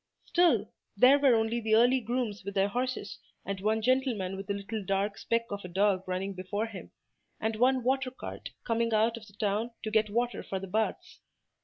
Still, there were only the early grooms with their horses, and one gentleman with a little dark speck of a dog running before him, and one water cart coming out of the town to get water for the baths.